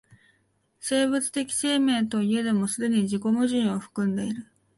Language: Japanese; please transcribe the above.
生物的生命といえども既に自己矛盾を含んでいる。